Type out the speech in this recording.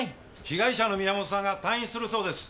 被害者の宮元さんが退院するそうです。